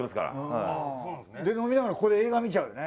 飲みながらここで映画見ちゃうよね。